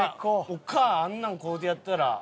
お母あんなん買うてやったら。